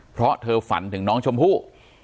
เพราะเธอฝันถึงน้องชมพู่